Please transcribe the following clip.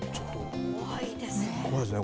怖いですよね。